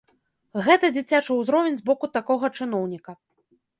Гэта дзіцячы ўзровень з боку такога чыноўніка.